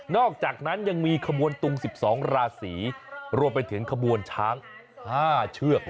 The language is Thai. อกจากนั้นยังมีขบวนตุง๑๒ราศีรวมไปถึงขบวนช้าง๕เชือก